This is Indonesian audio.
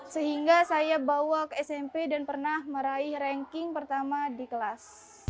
sehingga saya bawa ke smp dan pernah meraih ranking pertama di kelas